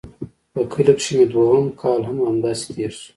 په کلي کښې مې دويم کال هم همداسې تېر سو.